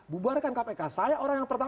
bubarkan kpk saya orang yang pertama